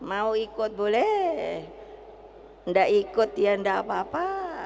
enggak ikut ya enggak apa apa